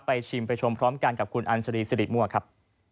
ชิมไปชมพร้อมกันกับคุณอัญชรีสิริมั่วครับ